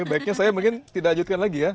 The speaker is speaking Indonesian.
tapi baiknya saya mungkin tidak ajutkan lagi ya